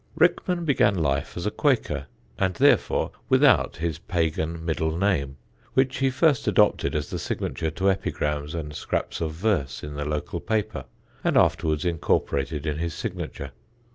Rickman began life as a Quaker, and therefore without his pagan middle name, which he first adopted as the signature to epigrams and scraps of verse in the local paper, and afterwards incorporated in his signature.